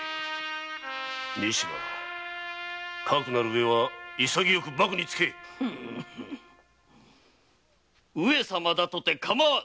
仁科かくなるうえは潔く縛につけ上様だとてかまわぬ。